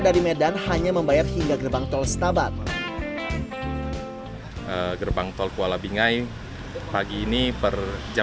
dari medan hanya membayar hingga gerbang tol setabat gerbang tol kuala bingai pagi ini per jam